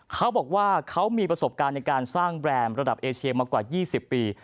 เขาบอกว่าเขามีประสบการณ์ในการสร้างแบรนด์ระดับเอเชียมากว่า๒๐ปี